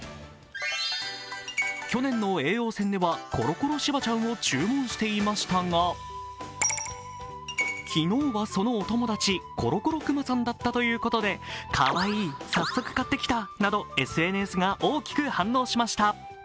去年の叡王戦ではコロコロしばちゃんを注文していましたが昨日はそのお友達・コロコロくまさんだったということでかわいい、早速買ってきたなどＳＮＳが大きく反応しました。